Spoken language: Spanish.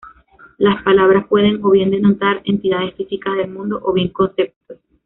Las palabras pueden o bien denotar entidades físicas del mundo, o bien conceptos.